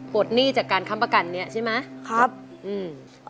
หนี้จากการค้ำประกันเนี้ยใช่ไหมครับอืม